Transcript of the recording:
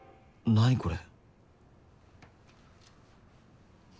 何これ？